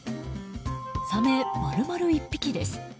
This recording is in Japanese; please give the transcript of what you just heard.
サメ丸々１匹です。